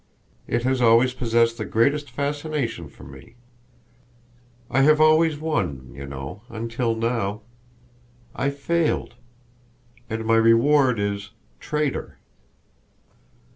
It has always possessed the greatest fascination for me. I have always won, you know, until now. I failed! And my reward is 'Traitor!'"